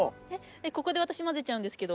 ここで私まぜちゃうんですけど。